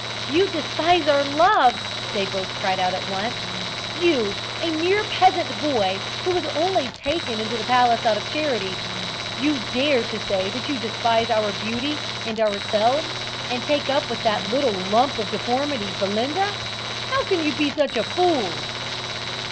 "You despise our love!" they both cried out at once. "You, a mere peasant boy, who was only taken into the palace out of charity, you dare to say that you despise our beauty and ourselves, and take up with that little lump of deformity, Belinda! How can you be such a fool?"